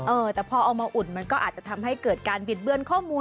เออแต่พอเอามาอุ่นมันก็อาจจะทำให้เกิดการบิดเบือนข้อมูล